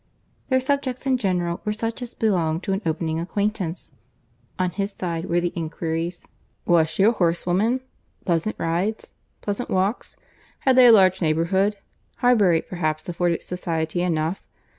Their subjects in general were such as belong to an opening acquaintance. On his side were the inquiries,—"Was she a horsewoman?—Pleasant rides?—Pleasant walks?—Had they a large neighbourhood?—Highbury, perhaps, afforded society enough?